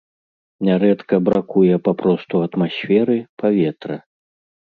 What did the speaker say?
Нярэдка бракуе папросту атмасферы, паветра.